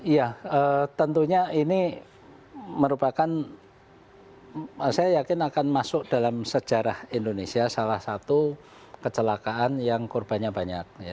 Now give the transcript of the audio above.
ya tentunya ini merupakan saya yakin akan masuk dalam sejarah indonesia salah satu kecelakaan yang korbannya banyak